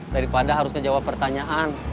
daripada harus ngejawab pertanyaan